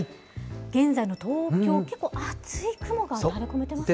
現在の東京、けっこう、厚い雲が垂れ込めてますね。